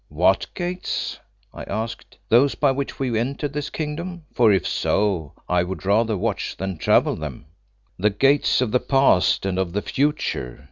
"What gates?" I asked. "Those by which we entered this kingdom, for, if so, I would rather watch than travel them." "The Gates of the Past and of the Future.